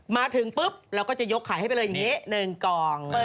มาถึงปุ๊บเราก็จะยกขายให้ไปเลยอย่างนี้๑กล่อง